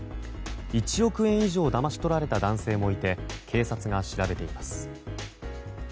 １億円以上だまし取られた男性もいて警察が調べています。